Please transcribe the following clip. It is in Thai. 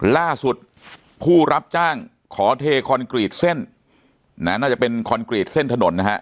ผู้รับจ้างขอเทคอนกรีตเส้นน่าจะเป็นคอนกรีตเส้นถนนนะฮะ